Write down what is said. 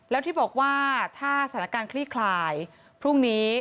แล้วที่บอกว่าถ้าสถานการณ์คลี่คลายพรุ่งนี้